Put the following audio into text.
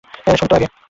শোন তো আগে!